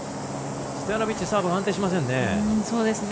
ストヤノビッチサーブ安定しませんね。